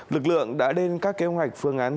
lực lượng đã đến các kế hoạch phương án